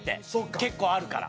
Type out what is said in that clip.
結構あるから。